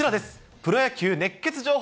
プロ野球熱ケツ情報。